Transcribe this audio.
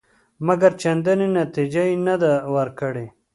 مګر چندانې نتیجه یې نه ده ورکړې.